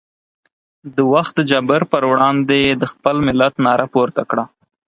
د وخت د جابر پر وړاندې یې د خپل ملت ناره پورته کړه.